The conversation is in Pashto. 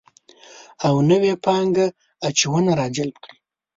او نوې پانګه اچونه راجلب کړي